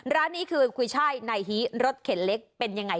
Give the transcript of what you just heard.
ร้านนี้คือกุยช่ายนายฮีรสเข็นเล็กเป็นยังไง